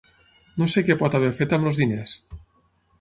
No sé què pot haver fet amb els diners.